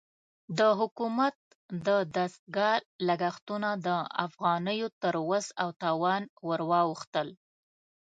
د حکومت د دستګاه لګښتونه د افغانیو تر وس او توان ورواوښتل.